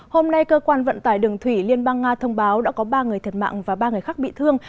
hôm nay cơ quan vận tải đường thủy liên bang nga thông báo đã có ba người thiệt mạng và ba người khác bị thương